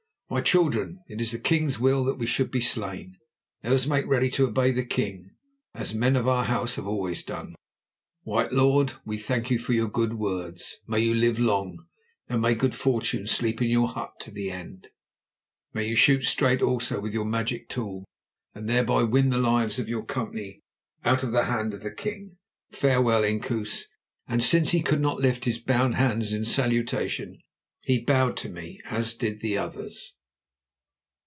My children, it is the king's will that we should be slain. Let us make ready to obey the king, as men of our House have always done. White lord, we thank you for your good words. May you live long, and may good fortune sleep in your hut to the end. May you shoot straight, also, with your magic tool, and thereby win the lives of your company out of the hand of the king. Farewell, Inkoos," and since he could not lift his bound hands in salutation, he bowed to me, as did the others.